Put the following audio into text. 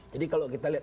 jadi kalau kita lihat